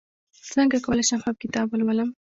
څنګه کولی شم ښه کتاب ولولم